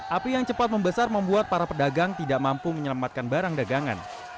api yang cepat membesar membuat para pedagang tidak mampu menyelamatkan barang dagangan